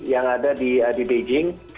yang ada di beijing